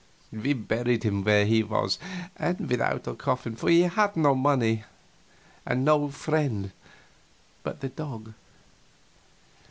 We buried him where he was, and without a coffin, for he had no money, and no friend but the dog.